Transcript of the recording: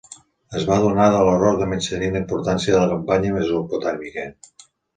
Es va adonar de l'error de menystenir la importància de la campanya mesopotàmica.